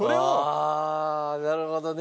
ああなるほどね。